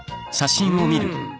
うん。